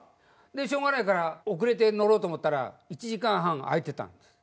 でしょうがないから遅れて乗ろうと思ったら１時間半空いてたんです。